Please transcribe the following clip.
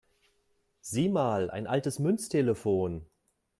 Sieh mal, ein altes Münztelefon!